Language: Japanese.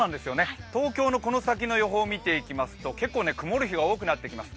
東京のこの先の予報を見ていきますと結構、曇る日が多くなってきます。